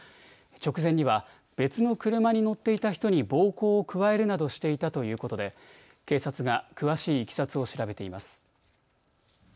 直前には別の車に乗っていた人に暴行を加えるなどしていたということで警察が詳しいいきさつを調べています。